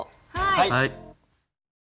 はい。